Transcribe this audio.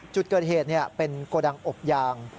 จุดเกิดเหตุเป็นโกดังอบยาง